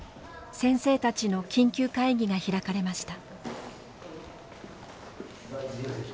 先生たちの緊急会議が開かれました。